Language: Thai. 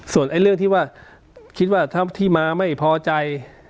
ส่วนเรื่องที่ว่าคิดว่าถ้าที่มาไม่พอใจ